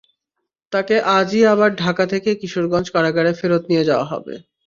তাঁকে আজই আবার ঢাকা থেকে কিশোরগঞ্জ কারাগারে ফেরত নিয়ে যাওয়া হবে।